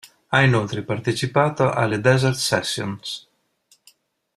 Ha inoltre partecipato alle Desert Sessions.